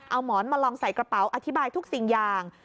เอาหมอนมาลองใส่กระเป๋าอธิบายทุกสิ่งอย่าง